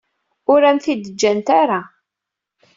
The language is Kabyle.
Ur am-t-id-ǧǧant ara.